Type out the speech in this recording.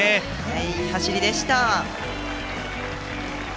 いい走りでした。